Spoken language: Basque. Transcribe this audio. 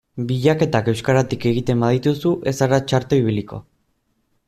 Bilaketak euskaratik egiten badituzu ez zara txarto ibiliko.